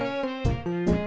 pas buat ikut